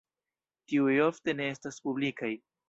Tiuj ofte ne estas publikaj.